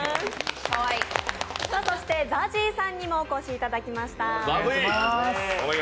そしてＺＡＺＹさんにもお越しいただきました。